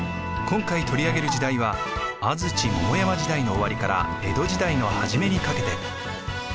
今回取り上げる時代は安土桃山時代の終わりから江戸時代の初めにかけて。